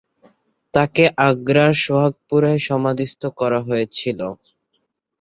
তাকে আগ্রার সুহাগপুরায় সমাধিস্থ করা হয়েছিল।